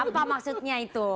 apa maksudnya itu